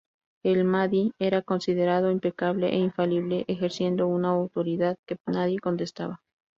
El "mahdi" era considerado impecable e infalible, ejerciendo una autoridad que nadie contestaba.